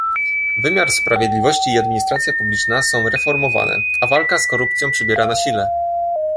Wymiar sprawiedliwości i administracja publiczna są reformowane, a walka z korupcją przybiera na sile